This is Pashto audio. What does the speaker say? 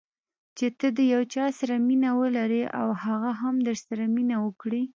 چې ته د یو چا سره مینه ولرې او هغه هم درسره مینه وکړي.